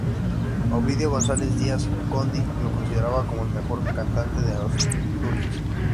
Ovidio González Díaz, "Gondi", lo consideraba como el mejor cantante de Asturias.